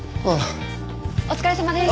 お疲れさまです！